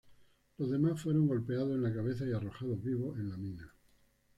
Los demás fueron golpeados en la cabeza y arrojados vivos en la mina.